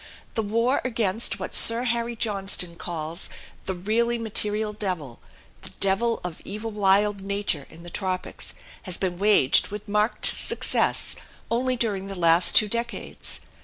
The war against what Sir Harry Johnston calls the really material devil, the devil of evil wild nature in the tropics, has been waged with marked success only during the last two decades.